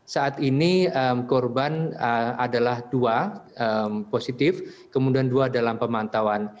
saat ini korban adalah dua positif kemudian dua dalam pemantauan